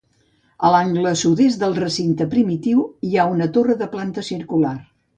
A l'angle sud-est del recinte primitiu hi ha una torre de planta circular.